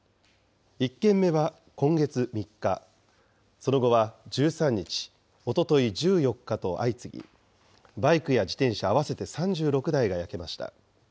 １件目は今月３日、その後は１３日、おととい１４日と相次ぎ、バイクや自転車合わせて３６台が焼けました。